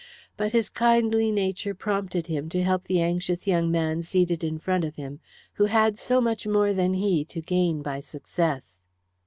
But his kindly nature prompted him to help the anxious young man seated in front of him, who had so much more than he to gain by success.